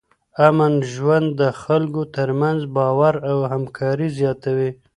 امن ژوند د خلکو ترمنځ باور او همکاري زیاتوي.